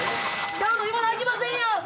ちゃうの言わなあきませんやん。